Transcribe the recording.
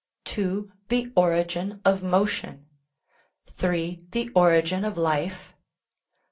(2) The origin of motion. (3) The origin of life.